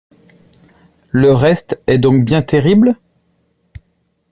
Le reste est donc bien terrible ?